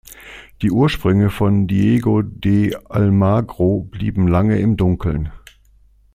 Die Ursprünge von Diego de Almagro blieben lange im Dunkeln.